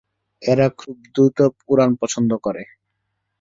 এরা খুব দ্রুত উড়ান পছন্দ করে।